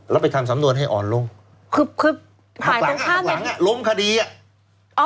แล้วไปทำสำนวนให้อ่อนลงคือคือฝ่ายตรงข้างหลังอ่ะหลงคดีอ่ะ